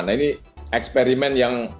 nah ini eksperimen yang